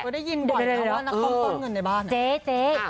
เราได้ยินบ่อยนะว่านักคอมต้นเงินในบ้าน